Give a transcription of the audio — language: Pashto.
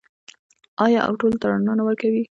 آیا او ټولو ته رڼا نه ورکوي؟